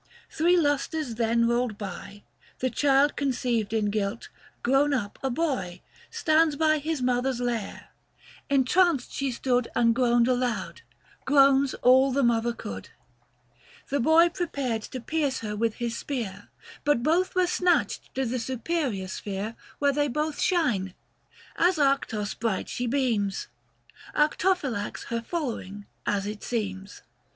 Three lustres then rolled by, 185 The child conceived in guilt, grown up a boy, Stands by his mother's lair ; entranced she stood And groaned aloud ; groans all the mother could. Book II. THE FASTI. 39 The boy prepared to pierce her with his spear ; But both were snatched to the superior sphere 190 Where they both shine. As Arctos bright she beams, Arctophylax her following, as it seems.